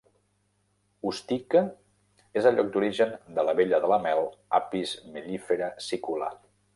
Ustica és el lloc d'origen de l'abella de la mel "apis mellifera sicula".